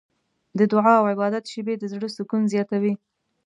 د دعا او عبادت شېبې د زړه سکون زیاتوي.